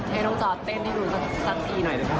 ให้ต้องจอดเต้นให้ดูสักทีหน่อย